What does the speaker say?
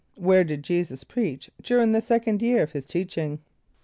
= Where did J[=e]´[s+]us preach during the second year of his teaching?